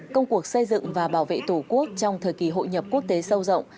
công cuộc xây dựng và bảo vệ tổ quốc trong thời kỳ hội nhập quốc tế sâu rộng